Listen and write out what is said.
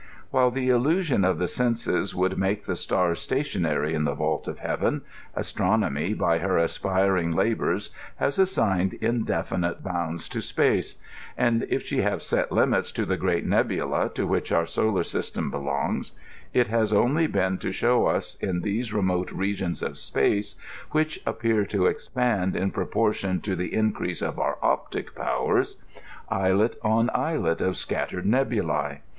'' While the illusion of the senses wculd make the stars sta tionary in the vault of heaven. Astronomy, by her as^nring la bors, has assigned indefinite bounds to space ; and if she have set limits to the great nebula to which our solar system be longs, it has only been to show us in those remote regions of space, which appear to expand in proportion to the increase of our optic powers, islet on islet of scattered nebulsB.